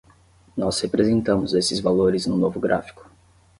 Nós representamos esses valores no novo gráfico.